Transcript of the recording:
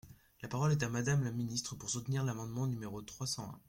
La parole est à Madame la ministre, pour soutenir l’amendement numéro trois cent un.